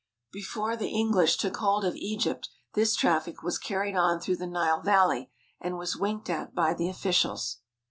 Before the English took hold of Egypt this traffic was carried on through the Nile Valley and was winked at by the officials.